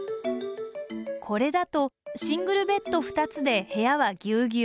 これだとシングルベッド２つで部屋はギュウギュウ。